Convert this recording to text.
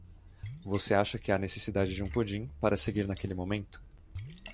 Você acha que há necessidade de um pudim para seguir naquele momento?